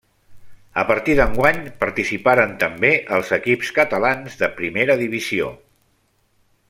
A partir d'enguany participaren també els equips catalans de Primera Divisió.